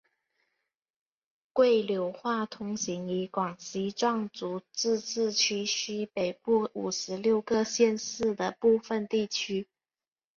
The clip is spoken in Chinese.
桂柳话通行于广西壮族自治区西北部五十六个县市的部分地区。